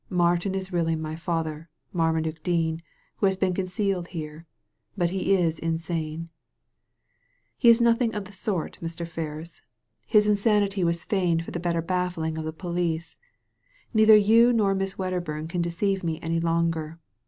Martin is really my father, Marmaduke Dean, who has been concealed here ; but he is insane." "He is nothing of the sort, Mr. Fcrria His Digitized by Google A SECRET HOARD 227 insanity was feigned for the better baffling of the police. Neither you nor Miss Wedderbum can deceive me any longer.